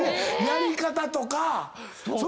やり方とか。